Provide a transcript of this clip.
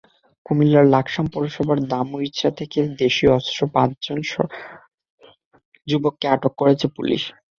কুমিল্লার লাকসাম পৌরসভার ধামুইচা থেকে দেশীয় অস্ত্রসহ পাঁচজন যুবককে আটক করেছে পুলিশ।